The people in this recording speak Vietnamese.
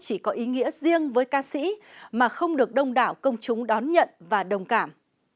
chỉ có ý nghĩa riêng với ca sĩ mà không được đông đảo công chúng đón nhận và đồng cảm